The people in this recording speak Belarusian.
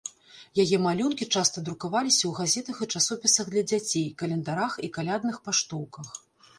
Яе малюнкі часта друкаваліся ў газетах і часопісах для дзяцей, календарах і калядных паштоўках.